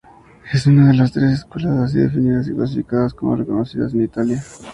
Es una de las tres escuelas así definidas y clasificadas como "reconocidas" en Italia.